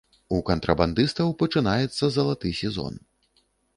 У кантрабандыстаў пачынаецца залаты сезон.